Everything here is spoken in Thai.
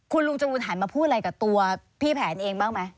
คุณลุงจรูนหันมาพูดอะไรกับตัวพี่แผนเองบ้างไหม